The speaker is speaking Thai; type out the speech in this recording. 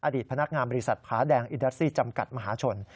อดีตพนักงานบริษัทผาแดงอินดาซี่จำกัดมหาชน